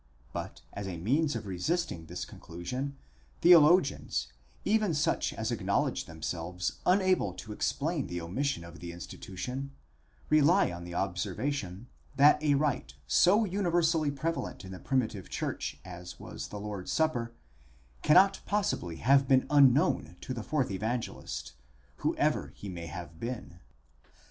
But as a means of resisting this con clusion, theologians, even such as acknowledge themselves unable to explain the omission of the institution, rely on the observation, that a rite so univer sally prevalent in the primitive church as was the Lord's supper, cannot ae oe ae ἘΦ τὺ ΠΥ nod aia possibly have been unknown to the fourth Evangelist, whoever he may have = been.!?